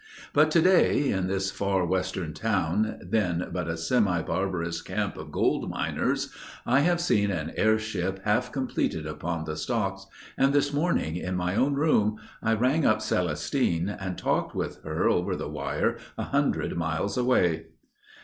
But today, in this far Western town, then but a semi barbarous camp of gold miners, I have seen an airship half completed upon the stocks, and this morning, in my own room, I rang up Celestine and talked with her over the wire a hundred miles away!